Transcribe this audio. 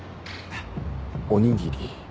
おにぎり。